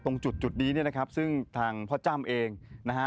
ตรงจุดนี้เนี่ยนะครับซึ่งทางพ่อจ้ำเองนะฮะ